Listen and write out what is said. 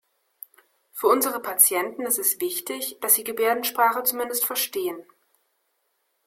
Für unsere Patienten ist es wichtig, dass Sie Gebärdensprache zumindest verstehen.